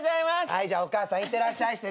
はいじゃあお母さんいってらっしゃいしてね。